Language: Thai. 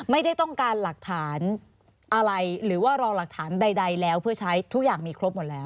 ไม่ได้ต้องการหลักฐานอะไรหรือว่ารอหลักฐานใดแล้วเพื่อใช้ทุกอย่างมีครบหมดแล้ว